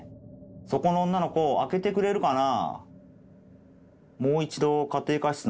そこの女の子開けてくれるかな？」。